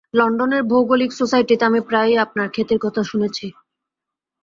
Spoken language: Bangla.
লন্ডনের ভৌগোলিক সোসাইটিতে আমি প্রায়ই আপনার খ্যাতির কথা শুনেছি।